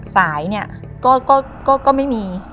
สายเนี่ยก็ไม่มี